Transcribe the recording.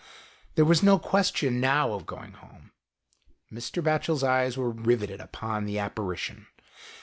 There was no question, now, of going home. Mr. Batchel's eyes were riveted upon the apparition.